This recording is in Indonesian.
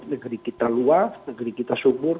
negeri kita luas negeri kita sumur